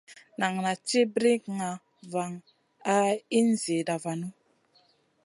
Nan naʼ ci brikŋa van a in zida vanu.